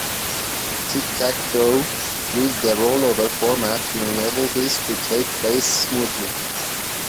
"Tic-Tac-Dough" used a rollover format to enable this to take place smoothly.